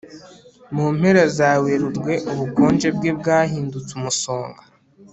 Mu mpera za Werurwe ubukonje bwe bwahindutse umusonga